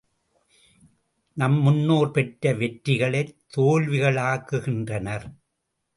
நம் முன்னோர் பெற்ற வெற்றிகளைத் தோல்விகளாக்குகின்றனர்.